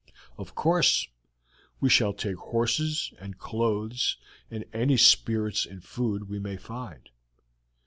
"Of course, we shall take horses and clothes and any spirits and food we may find.